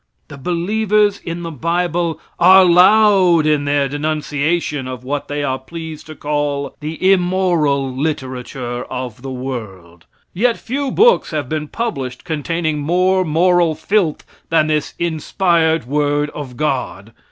The believers in the bible are loud in their denunciation of what they are pleased to call the immoral literature of the world; and yet few books have been published containing more moral filth than this inspired word of God.